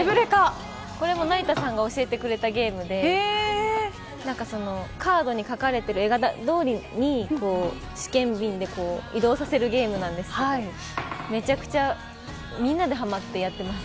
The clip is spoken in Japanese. これも成田さんが教えてくれたゲームでカードに書かれているとおりに、試験管で移動させるゲームなんですけどみんなではまってやっています。